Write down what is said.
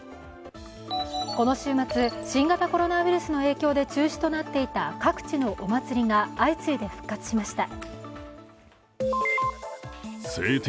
この週末、新型コロナウイルスの影響で中止となっていた各地のお祭りが相次いで復活しました。